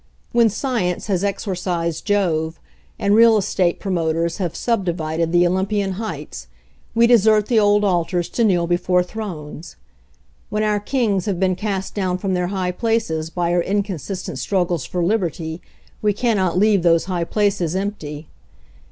When science has exorcised Jove, and real estate promoters have subdivided the Olympian heights, we desert the old altars to kneel before thrones. When our kings have been cast down from their high places by our inconsistent struggles for liberty, we can not leave those high places empty.